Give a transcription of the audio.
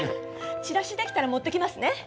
チラシ出来たら持ってきますね。